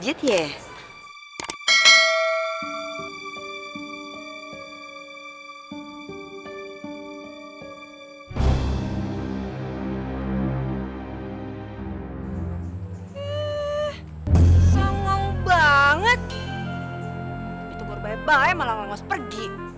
itu gua rupanya bayang malah nganggos pergi